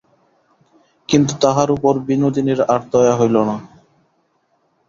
কিন্তু তাহার উপর বিনোদিনীর আর দয়া হইল না।